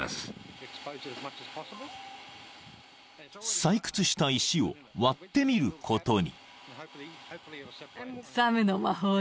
［採掘した石を割ってみることに］